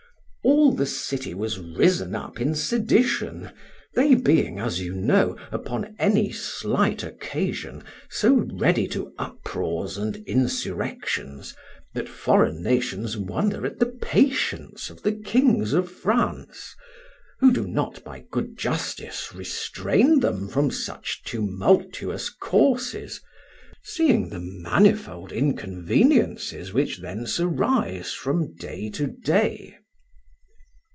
All the city was risen up in sedition, they being, as you know, upon any slight occasion, so ready to uproars and insurrections, that foreign nations wonder at the patience of the kings of France, who do not by good justice restrain them from such tumultuous courses, seeing the manifold inconveniences which thence arise from day to day.